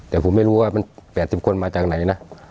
แต่ผมไม่รู้ว่ามัน๘๐คนมาจากไหนนะ